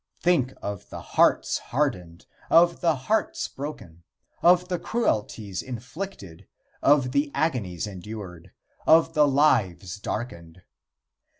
Think of the hearts hardened, of the hearts broken, of the cruelties inflicted, of the agonies endured, of the lives darkened.